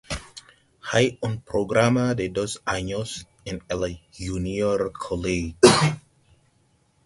Hay un programa de dos años en el junior college.